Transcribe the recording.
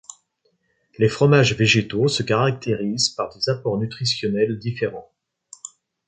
Les fromages végétaux se caractérisent par des apports nutritionnels différents.